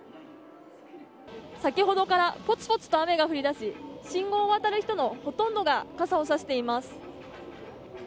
先ほどからぽつぽつと雨が降り出し信号を渡る人のほとんどが傘をさしています。